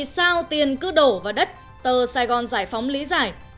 sao tiền cứ đổ vào đất tờ sài gòn giải phóng lý giải